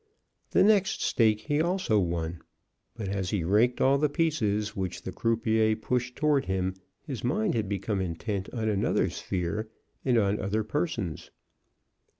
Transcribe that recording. The next stake he also won, but as he raked all the pieces which the croupier pushed toward him his mind had become intent on another sphere and on other persons.